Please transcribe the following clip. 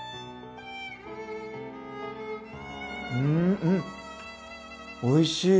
うんんっおいしい！